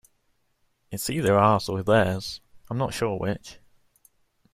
It's either ours or theirs, I'm not sure which.